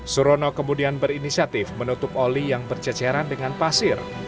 surono kemudian berinisiatif menutup oli yang berceceran dengan pasir